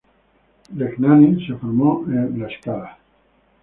Legnani se formó en La Scala.